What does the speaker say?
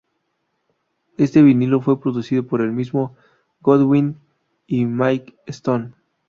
Este vinilo fue producido por el mismo Goodwyn y Mike Stone.